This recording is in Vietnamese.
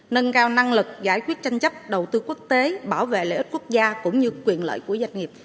nâng cao năng lực giải quyết tranh chấp đầu tư quốc tế bảo vệ lợi ích quốc gia cũng như quyền lợi của doanh nghiệp